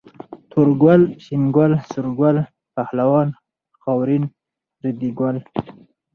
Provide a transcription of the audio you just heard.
تور ګل، شين ګل، سور ګل، پهلوان، خاورين، ريدي ګل